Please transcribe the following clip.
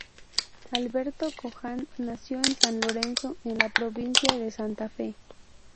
Alberto Kohan nació en San Lorenzo, en la provincia de Santa Fe.